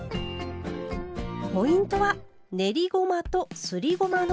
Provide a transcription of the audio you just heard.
ポイントは練りごまとすりごまのダブル使い。